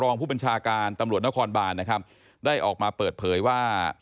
รองผู้บัญชาการตำรวจนครบานนะครับได้ออกมาเปิดเผยว่า